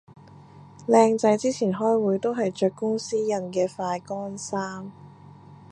靚仔之前開會都係着公司印嘅快乾衫